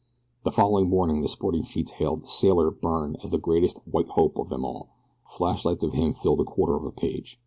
The following morning the sporting sheets hailed "Sailor" Byrne as the greatest "white hope" of them all. Flashlights of him filled a quarter of a page.